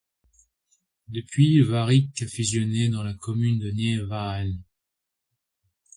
Depuis le Varik a fusionné dans la commune de Neerijnen.